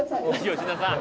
吉田さん！